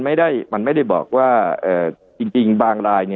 ไม่ได้มันไม่ได้บอกว่าจริงบางราย